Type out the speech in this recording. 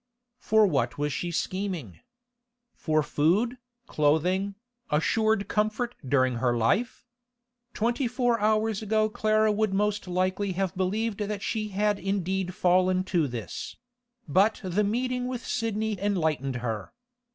For what was she scheming? For food, clothing, assured comfort during her life? Twenty four hours ago Clara would most likely have believed that she had indeed fallen to this; but the meeting with Sidney enlightened her.